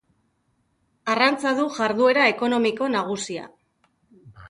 Arrantza du jarduera ekonomiko nagusia.